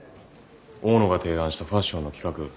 大野が提案したファッションの企画。